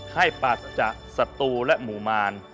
ให้ปัจจะศัตรูและหมู่มาร